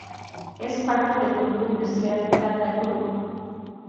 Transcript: Es parte del grupo industrial Tata Group.